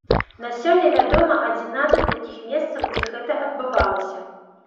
На сёння вядома адзінаццаць такіх месцаў, дзе гэта адбывалася.